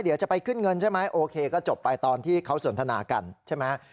เดี๋ยวจะไปขึ้นเงินใช่ไหมโอเคก็จบไปตอนที่เขาสนทนากันใช่ไหม